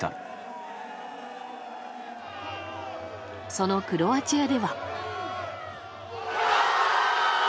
そのクロアチアでは。